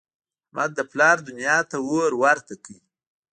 احمد د پلار دونیا ته اور ورته کړ.